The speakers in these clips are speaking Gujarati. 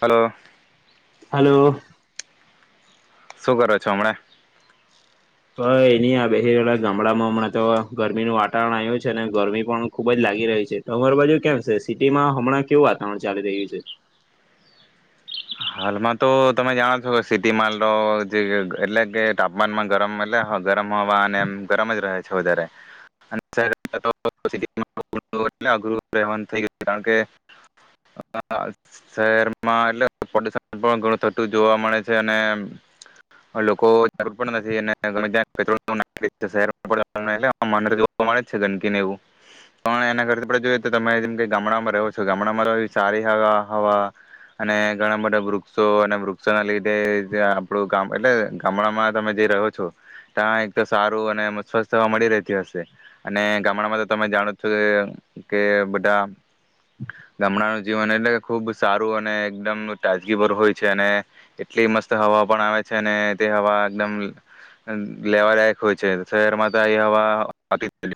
હલો. હલો. શું કરો છો હમણાં? હ એનીયા બે રહેલા ગામડામાં હમણાં તો ગરમીનું વાતાવરણ આવ્યું છે અને ગરમી પણ ખુબ જ લાગી રહી છે, તો તમારા બાજુ કેમ છે સિટીમાં હમણાં કેવું વાતાવરણ ચાલી રહ્યું છે? હાલમાં તો તમે જાણો છો, સિટી માલ જે એટલે કે તાપમાનમાં ગરમ એટલે ગરમ હવા અને એમ ગરમ જ રહે છે વધારે હોય થયો કારણ કે શહેરમાં એટલે. ઘણું થતું જોવા મળે છે અને લોકો જરૂર પણ નથી [unintelligible] જોવા મળે છે ગંદકીને એવું પણ એના કર જોઈ તો તમે જેમ કે ગામડામાં રહો છો ગામડામાં એ સારી હ હવા અને. ઘણા બધા વૃક્ષો અને વૃક્ષોના લીધે જે આપણું ગામ એટલે ગામડામાં તમે જે રહો છો, ત્યાં એક તો સારું અને મ સ્વસ્થ થવા મળી રહેતી હશે અને ગામડામાં તો તમે જાણો છો કે બધા ગામડાનું જીવન એટલે ખુબ સારું અને એકદમ. તાજગીભર હોય છે અને એટલી મસ્ત હવા પણ આવે છે અને તે હવા એકદમ લેવાદાયક હોય છે શહેરમાં તો [inaudible] ગું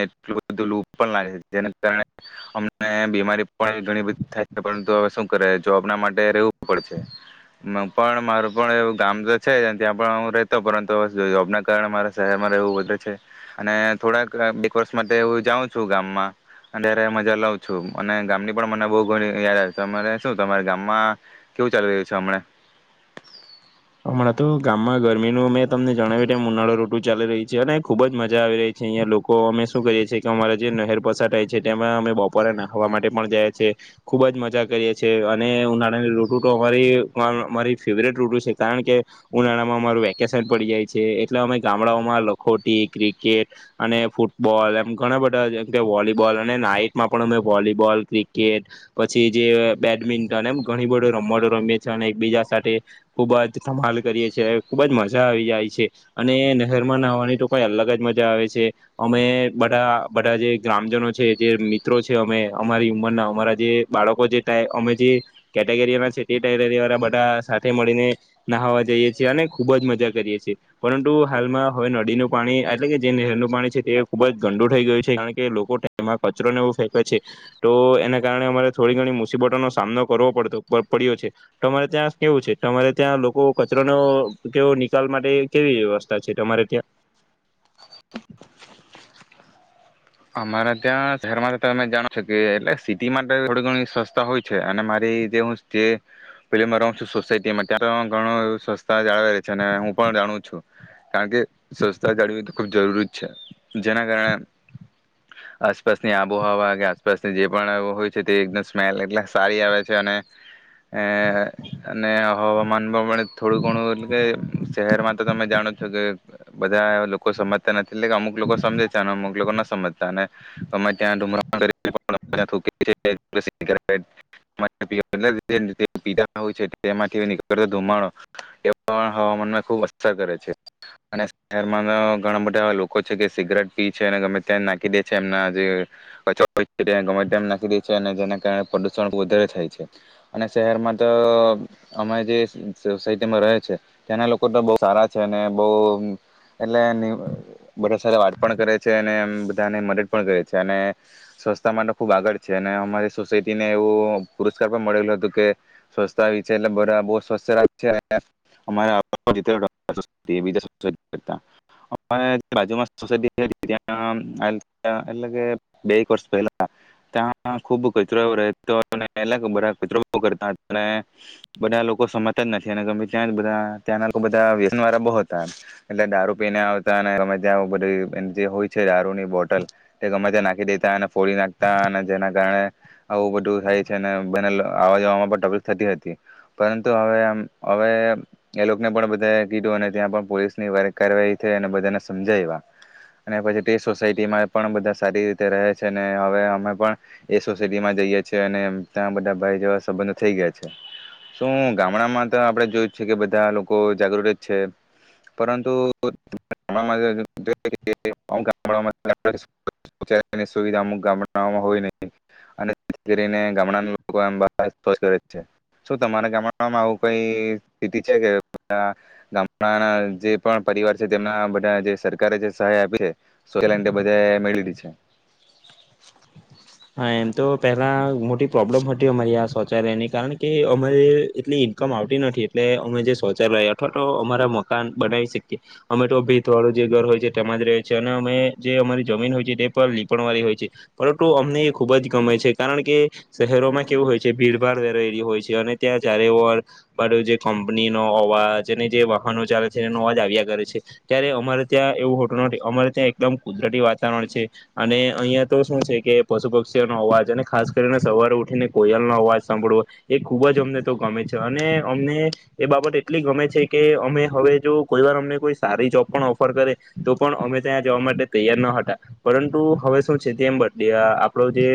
એટલ લપ પણ લાગે છે જે. ને બીમારી પણ ઘણી બધી થાય છે પરંતુ હવે શું કરે જોબના માટે રેવું પડશે પણ મારું પણ એવ ગામ તો છે, ત્યાં પણ હું રેતો પરંતુ જોબના કારણે મારે શહેરમાં રહેવું વધે છે અને થોડાક એક વર્ષ માટે હું જાઉં છું ગામમાં ત્યારે મજા લઉ છ છું અને ગામની પણ મને બહુ ઘણી યાદ આવે છે શું તમારે ગામમાં કેવું ચાલી રહ્યું છે હમણાં? હમણાં તું ગામમાં ઘર ગરમીનું મેં તમને જણાવ્યું ઉનાળા ઋતુ ચાલી રહી છે, અને ખૂબ જ મજા આવી રહી છે અહીં લોકો અમે શું કરીએ છીએ, કે અમારા જે નહેર પસાર થાય છે તેમાં અમે બપોરે નાખવા માટે પણ જાય છીએ ખૂબ જ મજા કરીએ છીએ અને ઉનાળાની ઋતુ તો અમારી અમારી ફેવરેટ ઋતુ છે. કારણ કે ઉનાળામાં અમારું વેકેશન પડી જાય છે, એટલે અમે ગામડાઓમાં લખોટી, ક્રિકેટ અને ફૂટબોલ એમ ઘણા બધામ કે વોલીબોલ અને નાઈટમાં પણ અમે વોલીબોલ ક્રિકેટ પછી જે બેડમિન્ટન એમ ઘણી બધો રમતો રમીએ છીએ અને એકબીજા સાથે ખૂબ જ ધમાલ કરીએ છીએ ખૂબ જ મજા આવી જાય છે, અને નહેરમાં નવાની તો કઈ અલગ જ મજા આવે છે અમે બધા બધા જે ગ્રામજનો છે જે મિત્રો છે, અમે અમારી ઉંમરના અમારા જે બાળકો જે અમે જે કેટેગરીના છે તેરી બધા સાથે મળ નહવા જઈએ છીએ અને ખુબ જ મજા કરીએ છીએ પરંતુ હાલમાં હવે નદીનું પાણી એટલે કે જે નહેરનું પાણી છે તે ખુબ જ ગંડું થઈ ગયું છે, કારણ કે લોકો એમાં કચરોને એવો ફેંકે છે તો એના કારણે અમારે થોડી ઘણી મુસીબતોનો સામનો કરવો પડતો પડ્યો છે તો અમારે ત્યાં કેવું છે. તમારે ત્યાં લોકો કચરોનો કેવો નિકાલ માટે કેવી વ્યવસ્થા છે તમારે ત્યાં? અમારા ત્યાં શહેરમાં તો તમે જાણો છો કે એટલે સિટી માટે થોડી ઘણી સવસ્તા હોય છે, અને મારી જે હું પ ર છું સોસાયટીમાં ત્યાં ઘણું એ સસ્તા જાળવે છે અને હું પણ જાણું છું કારણ કે સ્વસ્તા જાળવી તો ખુબ જરૂરી જ છે જેના કારણે. આસપાસની આબોહવા કે આસપાસની જે પણ હોય છે તે એકદમ સ્મેલ એટલે સારી આવે છે અને અ અને હવામાનમાં પણ થોડું ઘણું એટલે કે શહેરમાં તો તમે જાણો છો કે બધા. લોકો સમજતા નથી એટલે કે અમુક લોકો સમજે છે, અને અમુક લોકો ના સમજ [unintelligible] નીતો એ હવામાન ખબ અસર કરે છે, અને શહે ઘણા બધા લોકો છે કે સિગરેટ પી છે ગમે ત્યાં એ જે [unintelligible] ગમે નાખી દે છે અને જેના કારણે પ્રદુષણ વધારે થાય છે, અને શહેરમાં તો અમે જે સોસાયટીમાં રહે છે ત્યાંના લોકો તો બહુ સારા છે, અને બહુ એટલે બધા સાથે વાત પણ કરે છે અને એ છે અને સ્વચ્છતા માટે ખુબ આગળ છે અને અમારી સોસાયટીને એવું પુરસ્કાર પણ મળેલો હતો કે સ્વચછતા છે એટલે બહુ [inaudible] એટ બે એક વર્ષ પહેલા ત્યાં ખુબ કચરો રહેતો એટ બધા કચરો કરતા હતા બધા લોકો સમાજતા જ નથી, અને ગમે ત્યાં જ બા ત્યાંના લોકો બધા વ્યસન વાળા બહુ હતા એટલે દારૂ પીને આવતા અને ગમે ત્યાં બધ જે હોય છે દારૂની બોટલ ગમે ત્યાં નાખી દેતા ફોડી નાખતા અને જેના કારણે આવું બધું થાય છે, અને બને આવા જવામાં પણબલી થતી હતી પરંતુ હવે હવે એ લોકોને પણ બધ કીધું અને ત્યાં પણ પોલીસની કારવાહી થઈ બધાને સમજાવ અને પછી તે સોાય પણ બધા સારી રીતે રહે છે હવે અમે પણ એ સોસાયટીમાં જઈએ છીએ અને ત્યાં બધા ભાઈ જેવા સંબંધ થઈ ગયા છે. શું ગામડામાં તો આપે જોય છે કે બધા લોકો જાગૃત જ છે પરંતુ [unintelligible] [unintelligible] સુવિધા અમુક ગામડામાં હોય નહી અનેથી કરીને ગામડા લોકો છે શું તમારા ગામડામાં આવું કઈ છે કે ગામડાના જે પણ પરિવાર છે તેમના બધા જે સરકારે જે સહાય આપી છે? [unintelligible] બધે મેળલી છે. હા એમ તો પેલા મોટી પ્રોબ્લેમ હતી અમારી આ શૌચાલયની કારણ કે અમારી એટલી ઈન્કમ આવતી નથી, એટલે અમે જે શૌચાલય અથવા તો અમારા મકાન બનાવી શકીએ અમે તો ભેત વાળું જે ઘર હોય છે તેમાં જ રહીએ છીએ, અને અમે જે અમારી જમીન હોય છે તે પણ લીપણવાળી હોય છે પરંતુ. મને ખૂબ જ ગમે છે કારણ કે શહેરોમાં કેવું હોય છે ભીડભાડ વેરાયલી હોય છે, અને ત્યાં ચારે એરો જે કંપનીનો અવાજ અને જે વાહનો ચાલે છે, એ અવાજ આવ્યા કરે છે ત્યારે અમારે ત્યાં એવું હોતું નથી અમારે ત્યાં એકદમ કુદરતી વાતાવરણ છે અને અહીયાં તો શું છે કે પશુ પક્ષીઓનો અવાજ અને ખાસ કરીને સવારે ઉઠીને કોયલનો અવાજ સાંભળવો એ ખૂબ જ અમને તો ગમે છે, અને અમને એ બાબત એટલી ગમે છે કે અમે હવે જો કોઈ વાર અમને કોઈ સારી જોબ પણ ઓફર કરે તો પણ અમે ત્યાં જવા માટે તૈયાર ન હતા પરંતુ હવે શું છે તેમ બ આપણો જે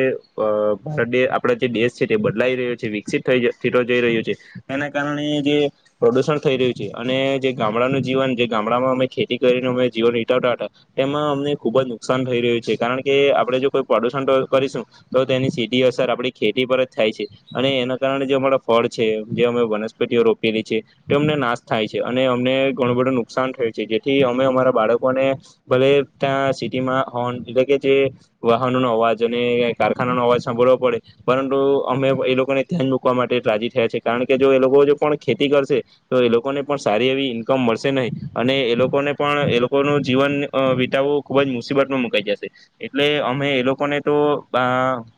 ભારત આપણા જે દેશ છે તે બદલાઈ રહ્યો છે વિકસિત થઈતો જઈ રહ્યો છે, એના કારણે જે પ્રદુષણ થઈ રહ્યું છે અને જે ગામડાનું જીવન જે ગામડામાં અમે ખેતી કરીને અમે જીવન ટવતા હતા એમાં અમને ખુબ જ નુકસાન થઈ રહ્યું છે કારણ કે આપણે જો કોઈ પ્રદ કરીશું તો તેની સીધી અસર આપડી ખેતી પર જ થાય છે અને એના કારણે જે અમારા ફળ છે, જે અમે વનસ્પતિઓ રોપેલી છે તે અમને નાશ થાય છે અને અમને ઘણું બધું નુકસાન થયું છે જેથી અમે અમારા બાળકોને ભલે ત્યાં સિટીમાં હો એટલે કે જે વાહ નો અવાજ કારખાના ન અવાજ સાંભળવો પડે પરંતુ અમે એ લોકોને ધ્યાન મુૂકવા માટે રાજી થયા છે, કારણ કે જો એ લોકો જો પણ ખેતી કરશે તો એ લોકોને પણ સારી એવી ઈન્કમ મળશે નહીં, અને એ લોકોને પણ એ લોકો ન જીવન વિતાવું ખુબ જ મુસીબતમાં મુકાઈ જશે એટલે અમે લોકોને તો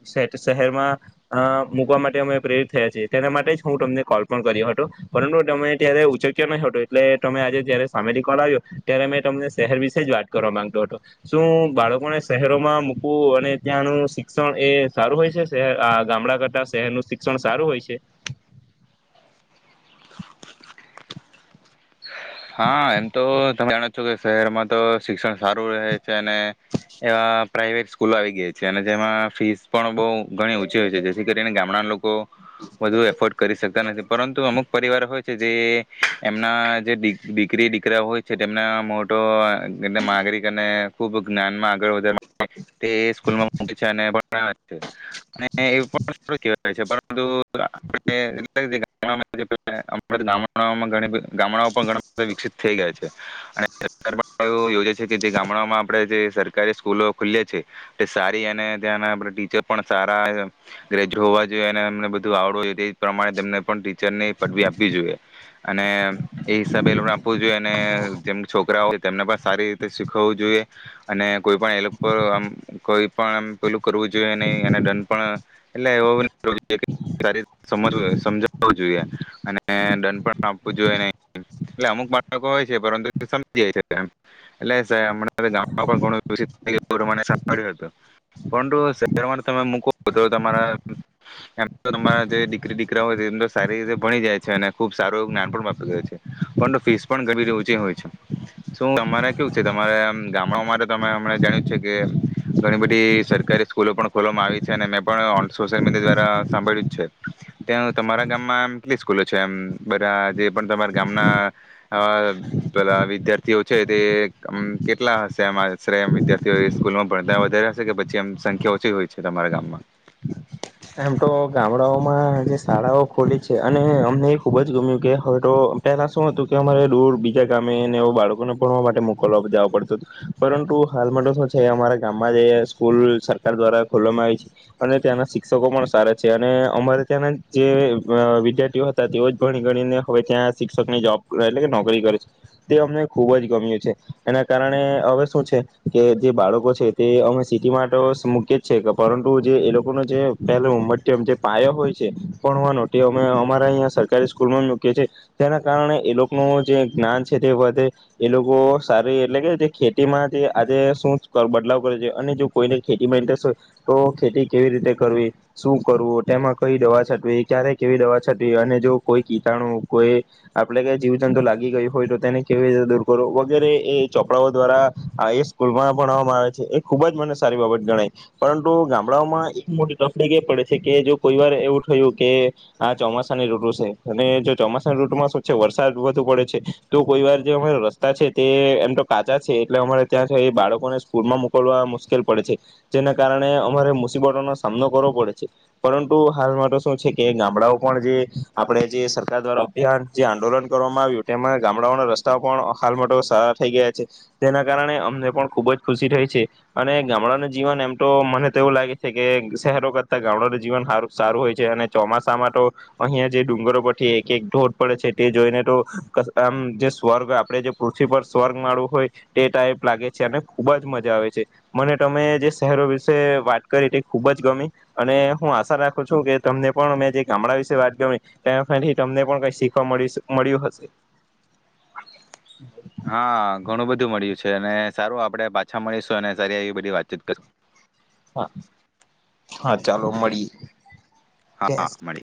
શ શહેરમાં અ મૂકવા માટે અમે પ્રેરિત થયા છીએ તેના માટે જ હું તમને કોલ પણ કર્યો હતો, પરંતુ તમે ત્યારે ઉચક્યો નહી હતો એટલે તમે આજે જયારે સામેથી કોલ આવ્યો ત્યારે અમે તમને શહેર વિશે જ વાત કરવા માંગતો હતો, શું બાળકોને શહેરોમાં મુ અને ત્યાંનું શિક્ષણ એ સારું હોય છે શહેર આ ગામડા કરતા શહેરનું શિક્ષણ સારું હોય છે? હા એમ તો તમે જાણ કે શહેરમાં તો શિક્ષણ સારું રહે. છે અને એવા પ્રાાઈવેટ સ્કૂલો આવી ગઈ છે. અને જેમાં ફીસ પણ બઉ ઘણી ઓચી હોય છે. જેથી કરીને ગામડા ના લોકો વધુ એફોર્ડ કરી શકતા નથી. પરંતુ અમુક પરિવાર હોય છે જે એમના જે દીકરી દીકરા હોય છે. તેમને મોટો એમનો નાગરિક અને ખુબ જ્ઞાનમાં આગળ વધાર તે સ્કૂલમાં મકી છે. અને હા છે. ને એ પણ શ કવાય છે પણ ડો [unintelligible] ગામડામાંણી ગામડા ઘણી બધી ગામડા પણ વિકસિત થઈ ગયા છે. અને [unintelligible] યોજે છે કે જે ગામડામાં આપે જે સરકારી સ્કૂલો ખુલે છે. તે સારી અને ત્યાં આપ ટીચર પણ સારા ગ્રેજુ હોવા જોઈએ. અનેમને બધું આવડવું જોઈએ તે પ્રમાણે તેમને પણ ચર ને પદવી આપવી જોઈએ. અને એ [unintelligible] જો અને જેમ છોકરાઓય તેમને પણ સારી રીતે શીખવું જોઈએ. અને કોઈ પણ એ લોકો આમ કોઈ પણ આ પેલું કરવું જોઈએ નહી. અને દંડ પણ એટલે એવુ [unintelligible] સમજાવું જોઈએ. અને દંડ પણ આપવું જોઈએ નહી એટલે અમુક બાળકો હોય છે. પરંતુ સમજી જાય છે. એટલેમણા ગામમાંણભ્યું હતું. પરંતુ શહેરમાં તમે મૂકો તો તમારા એમ તો તમારા જે દીકરી દીકરા હોય એમ તો સારી રીતે ભણી જાય છે. અને ખુબ સારું જ્ઞાન પણ પ્રાપ્ત કરે છે. પણ તો ફીસ પણ ઘણી બધી ઓચી હોય છે. શું અમારે કેવું છે. તમારા ગામડામાં તમે જાણ્યું છે કે ઘણી બધી સરકારી સ્કૂલો પણ ખોલવામાં આવી છે. અને મે પણ ઓ સોશયલ મીડિયા દ્વારા સાંભળ્યું છે. તેમ તમારા ગામમાં એમ કેટલી સ્કૂલો છે એમ બધા જે પણ ગામના અ પેલા વિદ્યાર્થીઓ છે તે અમ કેટલા હશે? એમ આશરે એમ વિદ્યાર્થીઓ સ્કૂલમાં ભણતા વધારે હશે. કે પછી એમ સંખ્યા ઓછી હોય છે તમારા ગામમાં? એમ તો ગામડાઓમાં જે શાળાઓ ખોલી છે. અને અમને એ ખુબ જ ગમ્યું. કે હવે તો પહેલા શું હતું કે અમારે દૂર બીજા ગામેને એવુ બાળકોને ભણવા માટે મોકલવા જાવા પડતું હતુ. પરંતુ હાલમાં તો શું છે અમારા ગામમાં જે સ્કૂલ સરકાર દ્વારા ખોલવામાં આવી છે અને ત્યાંના સી ક્ષકો પણ સારા છે. અને અમારે ત્યાંના જે અ વિદ્યાર્થીઓ હતા તેઓ જ પણ ગણીને હવે ત્યાં શિક્ષકની જોબ એટલે કે નોકરી કરે છે. તે અમને ખૂબ જ ગમ્યું છે. એના કારણે હવે શું છે કે જે બાળકો છે. તે અમે સિટી માટે તો મૂકીએ જ છે. પરંતુ જે એ લોકોનો જે પહેલો ઉમટમ જે પાયો હોય છે. પણ હું નોટી અમે અમારા અહીંયા સરકારી સ્કૂલમાં મૂકીએ છીએ જેના કારણે એ લોકોનું જે જ્ઞાન છે તે વધે. એ લોકો સારી એટલે કે જે ખેતીમાં જે આજે શું બદલાવ કરે છે અને જો કોઈને ખેતીમાં ઇન્ટરેસ્ટ હોય તો ખેતી કેવી રીતે કરવી શું કરવું, તેમાં કઈ દવા છટવી, ક્યારે કેવી દવા છટવી. અને જો કોઈ કીટાણુ કોઈ આપડે ક જીવ જંતુ લાગી ગયુ હોય તો તેને કેવી રીતે દૂર કરવું. વગેરે એ ચોપડાઓ દ્વારા એ સ્કૂલમાં ભણવામાં આવે છે. એ ખુબ જ મને સારી બાબત ગણાય. પરંતુ ગામડાઓમાં એક મો તફડી એ પડે છે કે જો કોઈ વાર એવું થયું કે આ ચોમાસાની રૂતુ છે. અને જો ચોમાસાના રૂતુમાં શું છે વરસાદ વધુ પડે છે. તો કોઈ વાર જે અમારે રસ્તા છે તે એમ તો કાચા છે એટલે અમારે ત્યાં બાળકોને સ્કૂલમાં મોકલવા મુશ્કેલ પડે છે. જેના કારણે અમારે મુસીબતોના સામનો કરવો પડે છે. પરંતુ હાલ માટે શું છે કે ગામડાઓ પણ જે આપણે જે સરકાર દ્વારા અભિયાન જે આંદોલન કરવામાં આવ્યું તેમાં ગામડાઓના રસ્તાઓ પણ હાલમાં સારા થઈ ગયા છે. તેના કારણે અમને પણ ખૂબ જ ખુશી થઈ છે. અને ગામડાનું જીવન એમ તો મને એવું લાગે છે કે શહેરો કરતા ગામડાનું જીવન હારું સારું હોય છે. અને ચોમાસામાં તો અહિયાં જે ડુંગરો પરથી એક એક ધોધ પડે છે તે જોઈને તો આમ જે સ્વર્ગ આપડે જે પૃથ્વી પર સ્વર્ગ માળવું હોય તે ટાઈપ લાગે છે. અને ખુબ જ મજા આવે છે. મને તમે જે શહેરો વિશે વાત કરી ખુબ જ ગમી. અને હું આશા રાખું છું કે તમને પણ મે જે ગામડા વિશે વાત ગમી તમને પણ કઈ શીખવા મળ્યું હશ મળ્યું હશે. હા ઘણું બધું મળ્યું છે. અને સારું આપણેે પાછા મળીશું અને સારી એવી બધી વાતચીત કરીશું. હા ચાલો મળીએ. હા મળી